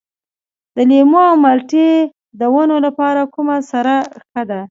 د لیمو او مالټې د ونو لپاره کومه سره ښه ده؟